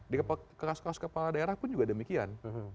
di kas kaos kepala daerah pun juga demikian